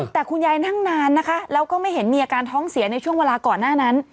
แต่คุณยายนั่งนานนะคะแล้วก็ไม่เห็นมีอาการท้องเสียในช่วงเวลาก่อนหน้านั้น